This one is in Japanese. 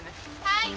はい。